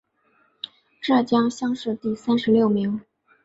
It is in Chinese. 浙江乡试第三十六名。